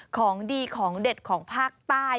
ของดีของเด็ดของภาคใต้